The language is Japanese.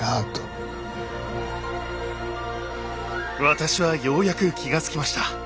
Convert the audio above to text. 私はようやく気が付きました。